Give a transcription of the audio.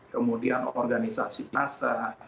kemudian organisasi nasa